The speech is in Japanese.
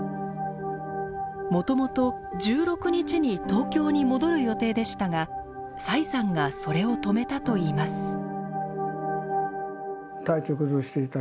もともと１６日に東京に戻る予定でしたが崔さんがそれを止めたといいます。